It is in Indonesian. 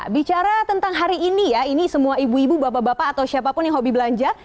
bicara tentang hari ini ya ini semua ibu ibu bapak bapak atau siapapun yang hobi belanja